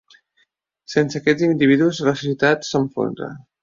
Sense aquests individus, la societat s’enfonsa.